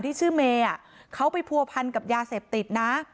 ที่ชื่อเมย์เขาไปผัวพันกับยาเสพติดนะ